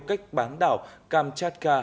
cách hạm tên lửa bulava